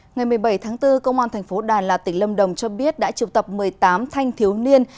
ngày một mươi bảy tháng bốn công an thành phố đà lạt tỉnh lâm đồng cho biết đã triệu tập một mươi tám thanh thiếu niên